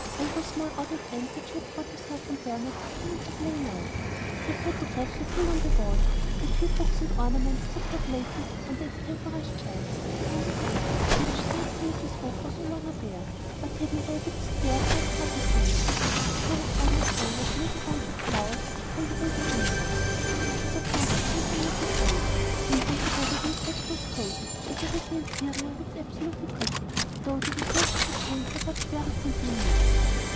Every small odd and end that she had brought with her from Burnet came into play now. The photographs were pinned on the wall, the few books and ornaments took their places on the extemporized shelves and on the table, which, thanks to Mrs. Hope, was no longer bare, but hidden by a big square of red canton flannel. There was almost always a little bunch of flowers from the Wade greenhouses, which were supposed to come from Mrs. Wade; and altogether the effect was cosey, and the little interior looked absolutely pretty, though the result was attained by such very simple means.